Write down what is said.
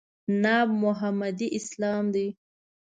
ناب محمدي اسلام دی.